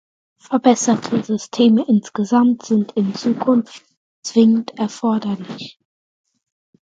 Verbesserte Systeme insgesamt sind in Zukunft zwingend erforderlich.